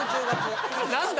何だ？